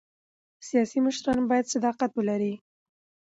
سیاسي مشران باید صداقت ولري